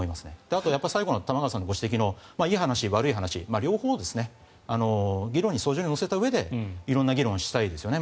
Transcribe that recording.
あと玉川さんのご指摘の最後のいい話、悪い話両方ですね議論の俎上に載せたうえで色んな議論をしたいですよね。